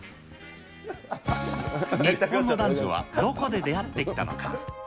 日本の男女はどこで出会ってきたのか。